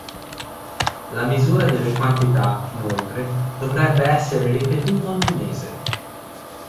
La misura delle quantità, inoltre, dovrebbe essere ripetuta ogni mese.